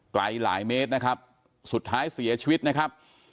ไกลหลายเมตรนะครับสุดท้ายเสียชีวิตนะครับ